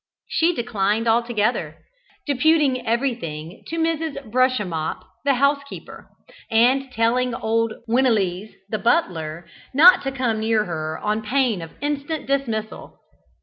She declined altogether; deputing everything to Mrs. Brushemup, the housekeeper; and telling old Winelees, the butler, not to come near her on pain of instant dismissal.